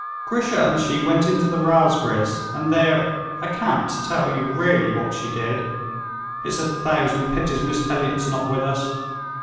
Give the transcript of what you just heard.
"Grisha and she went into the raspberries, and there ... I can't tell you really what she did. It's a thousand pities Miss Elliot's not with us.